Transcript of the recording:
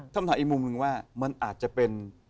คำถามอีกมุมหนึ่งว่ามันอาจจะเป็น